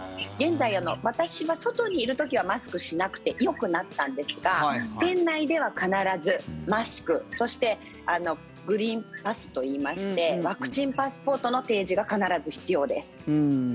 現在、外にいる時マスクしなくてよくなったんですが店内では必ずマスク、そしてグリーンパスといいましてワクチンパスポートの提示が必ず必要です。